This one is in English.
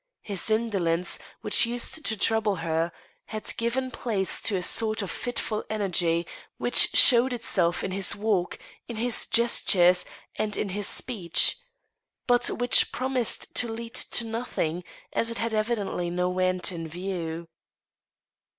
His indolenc^, which used to trouble her, had given place to a sort of fitful energy which showed itself in his walk, in his gestures, and ih his speech, but which promised to lead to nothing, as it had evidently no end in view.